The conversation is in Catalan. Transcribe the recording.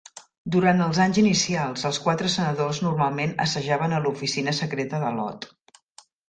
Durant els anys inicials, els quatre senadors normalment assajaven a l'oficina secreta de Lott.